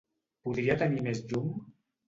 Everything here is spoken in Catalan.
Podria tenir més llum?